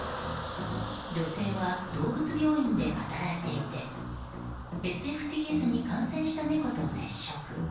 女性は動物病院で働いていてＳＦＴＳに感染した猫と接触。